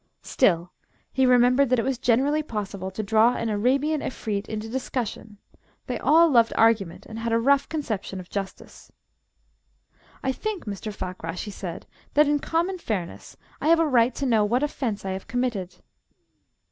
Still, he remembered that it was generally possible to draw an Arabian Efreet into discussion: they all loved argument, and had a rough conception of justice. "I think, Mr. Fakrash," he said, "that, in common fairness, I have a right to know what offence I have committed."